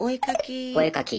お絵描き。